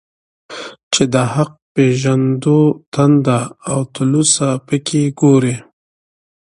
چي د حق پېژندو تنده او تلوسه په كي گورې.